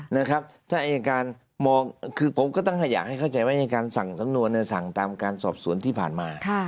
ถ้าอัยการคือผมก็อยากให้เข้าใจว่าอัยการสั่งสำนวนสั่งตามการสอบสวนที่ผ่านมา